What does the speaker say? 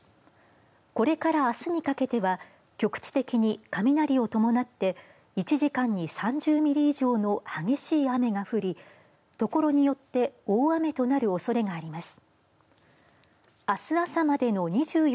これからあすにかけては局地的に雷を伴って１時間に３０ミリ以上の激しい雨が降り、ところによって大雨となるおそれがあります。